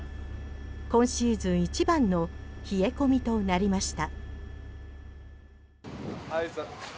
今シーズン一番の冷え込みとなりました。